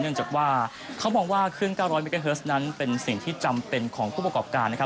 เนื่องจากว่าเครื่อง๙๐๐มิเกฮอร์สนั้นเป็นสิ่งที่จำเป็นของผู้ปกกราบการนะครับ